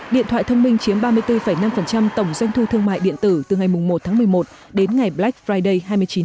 điện thoại thông minh chiếm ba mươi bốn năm tổng doanh thu thương mại điện tử từ ngày một một mươi một đến ngày black friday hai mươi chín một mươi một